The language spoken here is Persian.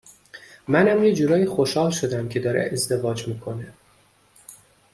منم یه جورایی خوشحال شدم که داره ازدواج می کنه